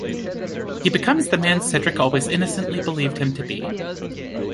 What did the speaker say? He becomes the man Cedric always innocently believed him to be.